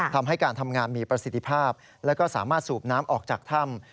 ทำให้การทำงานมีประสิทธิภาพและก็สามารถสูบน้ำออกจากถ้ำ